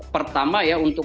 pertama ya untuk